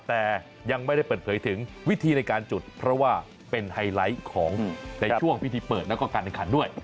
แต่ยังไม่ได้เปิดเผยถึงวิธีในการจุดเพราะว่าเป็นไฮไลท์ของในช่วงพิธีเปิดแล้วก็การแข่งขันด้วย